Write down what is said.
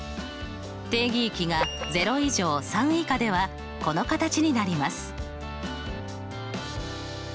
定義域が０以上３以下ではこの形になります。